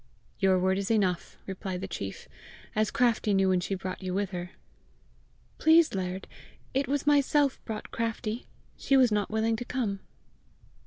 "Your word is enough," replied the chief, " as Craftie knew when she brought you with her." "Please, laird, it was myself brought Craftie; she was not willing to come!"